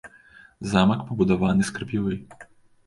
Замак, пабудаваны з крапівы.